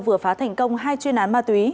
vừa phá thành công hai chuyên án ma túy